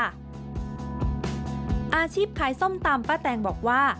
อาชีพขายส้มตำป้าแตงบอกว่า